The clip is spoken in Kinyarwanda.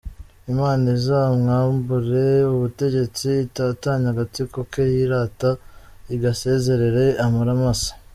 Imana izamwambure ubutegetsi, itatanye agatsiko ke yirata, igasezerere amara masa.